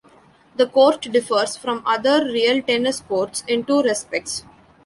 The court differs from other real tennis courts in two respects.